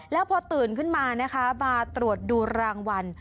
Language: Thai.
แล้วพอตื่นขึ้นมานะคะมาตรวจดูรางวัล